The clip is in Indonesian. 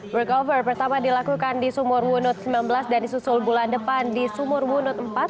workover pertama dilakukan di sumur wunut sembilan belas dan disusul bulan depan di sumur wunut empat